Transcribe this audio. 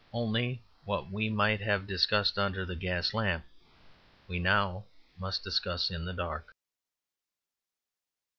Only what we might have discussed under the gas lamp, we now must discuss in the dark.